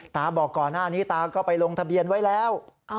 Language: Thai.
บอกก่อนหน้านี้ตาก็ไปลงทะเบียนไว้แล้ว